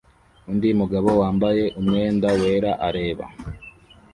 undi mugabo wambaye umwenda wera areba